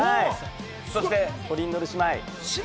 そしてトリンドルさん姉妹。